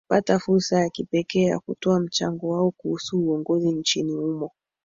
pata fulsa ya kipekee ya kutoa mchango wao kuhusu uongozi nchini humo